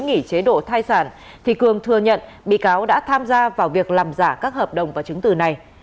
nghỉ chế độ thai sản thì cường thừa nhận bị cáo đã tham gia vào việc làm giả các hợp đồng và chứng từ này